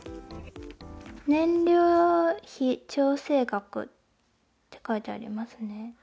燃料費調整額って書いてありますね。